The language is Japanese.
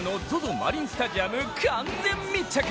マリンスタジアム完全密着！